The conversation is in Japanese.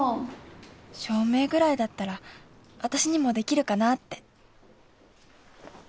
［照明ぐらいだったら私にもできるかなって］